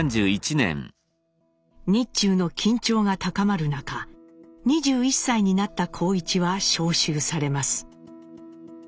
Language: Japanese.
日中の緊張が高まる中２１歳になった幸一は召集されます。